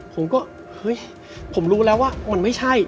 ผมก็เฮ้ยผมรู้แล้วว่ามันไม่ใช่